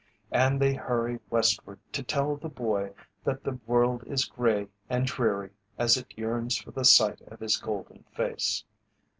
And they hurry westward to tell the boy that the world is grey and dreary as it yearns for the sight of his golden face.